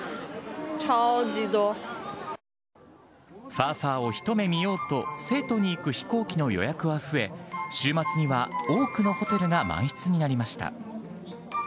ファーファーを一目見ようと、成都に行く飛行機の予約は増え、終末には、多くのホテルが満室になりました。